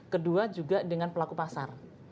kedua juga dengan pelaku pasar